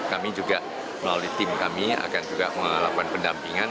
kami juga melalui tim kami akan juga melakukan pendampingan